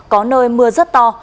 có nơi mưa rất to